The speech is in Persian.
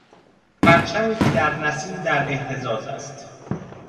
پرچمی که در نسیم در اهتزاز است.